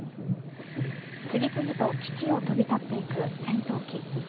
次々と基地を飛び立っていく戦闘機。